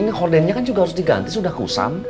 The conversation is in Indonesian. ini hordennya kan juga harus diganti sudah kusam